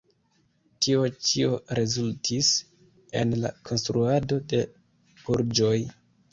Tio ĉio rezultis en la konstruado de burĝoj.